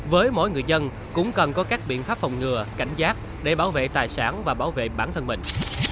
với mỗi người dân cũng cần có các biện pháp phòng ngừa cảnh giác để bảo vệ tài sản và bảo vệ bản thân mình